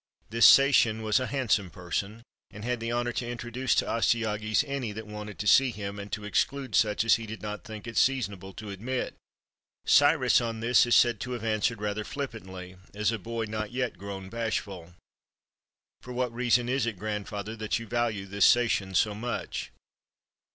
This Sacian was a handsome person, and had the honor to introduce to Astyages any that wanted to see 296 WHEN CYRUS THE GREAT WAS A BOY him, and to exclude such as he did not think it season able to admit. Cyrus on this is said to have answered rather flip pantly, as a boy not yet grown bashful: —" For what reason is it, grandfather, that you value this Sacian so much?"